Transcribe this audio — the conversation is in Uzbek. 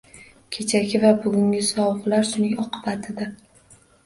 Kechagi va bugungi sovuqlar shuning oqibatidir.